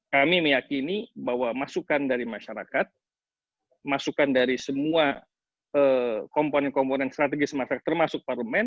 kami meyakini bahwa masukan dari masyarakat masukan dari semua komponen komponen strategis masyarakat termasuk parlemen